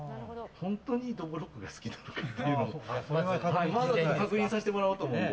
本当にどぶろっくが好きなのかを確認させてもらおうと思うので。